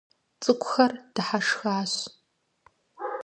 ЦӀыкӀухэр дыхьэшхащ.